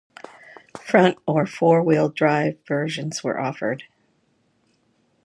Front- or four-wheel drive version were offered.